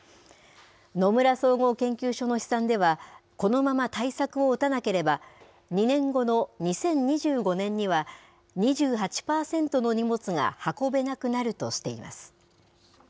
野村総合研究所の試算では、このまま対策を打たなければ、２年後の２０２５年には、２８％の荷物が運べなくなるとしています。